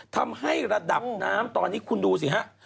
ทำให้ระดับน้ำตอนนี้คุณดูสิฮะ